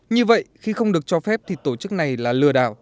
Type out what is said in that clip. như vậy khi không được cho phép thì tổ chức này là lừa đảo